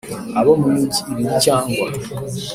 Abo mu migi ibiri cyangwa